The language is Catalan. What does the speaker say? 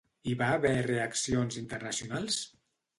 Hi va haver reaccions internacionals?